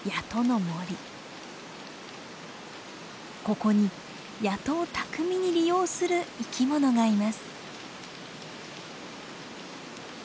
ここに谷戸を巧みに利用する生き物がいます。